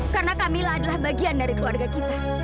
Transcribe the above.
karena kamila adalah bagian dari keluarga kita